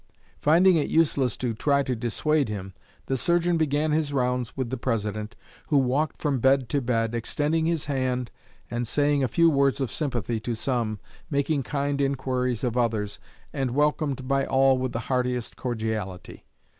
Finding it useless to try to dissuade him, the surgeon began his rounds with the President, who walked from bed to bed, extending his hand and saying a few words of sympathy to some, making kind inquiries of others, and welcomed by all with the heartiest cordiality.